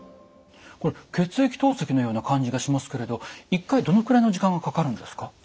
これ血液透析のような感じがしますけれど１回どのくらいの時間がかかるんですか？